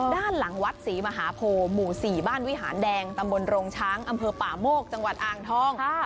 ด้านหลังวัดศรีมหาโพหมู่๔บ้านวิหารแดงตำบลโรงช้างอำเภอป่าโมกจังหวัดอ่างทอง